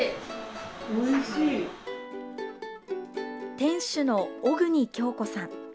店主の小國京子さん。